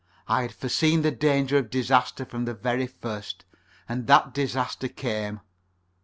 I had foreseen the danger of disaster from the very first, and that disaster came.